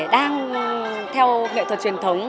đang theo nghệ thuật truyền thống